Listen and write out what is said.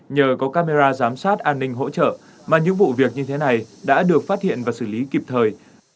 nhờ có camera giám sát an ninh hỗ trợ mà những vụ việc như thế này đã được phát hiện và xử lý kịp thời